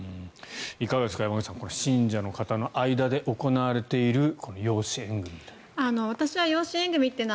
いかがですか、山口さん信者の方の間で行われているこの養子縁組という。